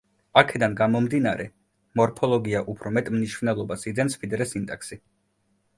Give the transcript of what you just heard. აქედან გამომდინარე მორფოლოგია უფრო მეტ მნიშვნელობას იძენს ვიდრე სინტაქსი.